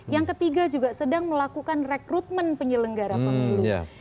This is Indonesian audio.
yang ketiga juga sedang melakukan rekrutmen penyelenggara pemilu